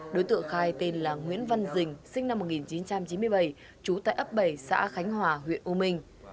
đối tượng khai tên là nguyễn văn dình sinh năm một nghìn chín trăm chín mươi bảy trú tại ấp bảy xã khánh hòa huyện âu minh